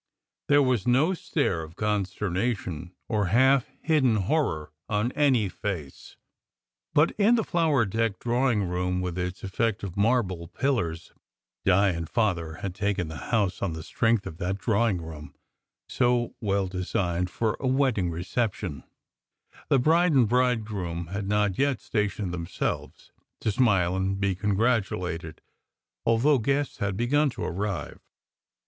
There was no stare of consternation or half hidden horror on any face. But in the flower decked drawing room, with its effective marble pillars (Di and Father had taken the house on the strength of that drawing room, so well designed for a wedding reception), the bride and bridegroom had not yet stationed themselves to smile and be congratulated, al though guests had begun to arrive.